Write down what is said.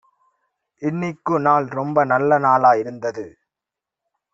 இன்னிக்கு நாள் ரொம்ப நல்ல நாளா இருந்நது